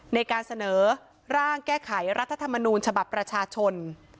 ในการเสนอร่างแก้ไขรัฐธรรมนูญฉบับประชาชน